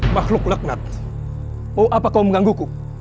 makhluk laknat mau apa kau mengganggu ku